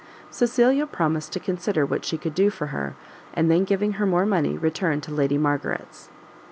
Cecilia promised to consider what she could do for her, and then giving her more money, returned to Lady Margaret's.